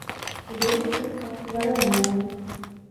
Вельмі хутка, за размовамі.